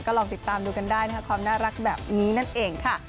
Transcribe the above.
ลองติดตามดูกันได้นะคะความน่ารักแบบนี้นั่นเองค่ะ